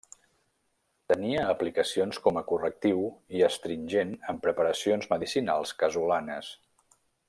Tenia aplicacions com a correctiu i astringent en preparacions medicinals casolanes.